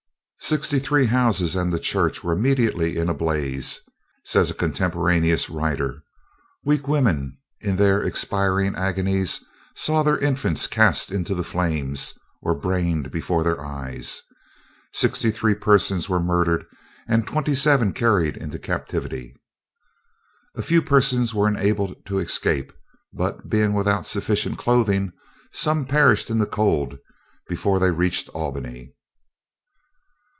"Sixty three houses and the church were immediately in a blaze," says a contemporaneous writer. Weak women, in their expiring agonies, saw their infants cast into the flames, or brained before their eyes. Sixty three persons were murdered and twenty seven carried into captivity. A few persons were enabled to escape; but, being without sufficient clothing, some perished in the cold before they reached Albany.